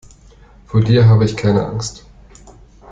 Vor dir habe ich keine Angst.